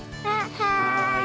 はい。